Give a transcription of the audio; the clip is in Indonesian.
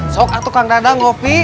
sok atuk kandang ada kopi